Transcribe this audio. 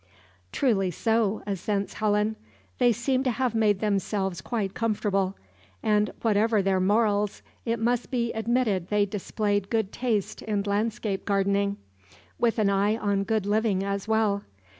"Truly so," assents Helen. "They seem to have made themselves quite comfortable; and whatever their morals, it must be admitted they displayed good taste in landscape gardening, with an eye on good living as well.